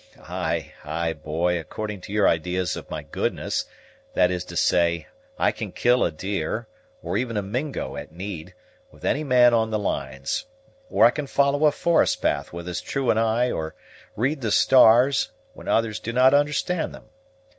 "Ay, ay, boy, according to your idees of my goodness; that is to say, I can kill a deer, or even a Mingo at need, with any man on the lines; or I can follow a forest path with as true an eye, or read the stars, when others do not understand them.